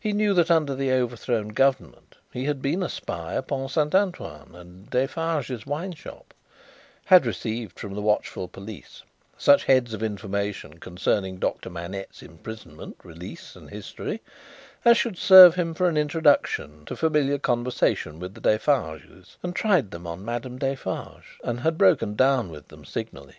He knew that under the overthrown government he had been a spy upon Saint Antoine and Defarge's wine shop; had received from the watchful police such heads of information concerning Doctor Manette's imprisonment, release, and history, as should serve him for an introduction to familiar conversation with the Defarges; and tried them on Madame Defarge, and had broken down with them signally.